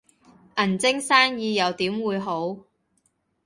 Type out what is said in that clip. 銀晶生意又點會好